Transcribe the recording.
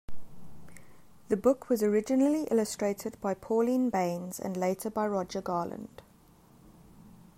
The book was originally illustrated by Pauline Baynes and later by Roger Garland.